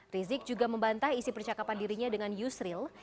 rizik juga membantah isi percakapan dirinya dengan yusril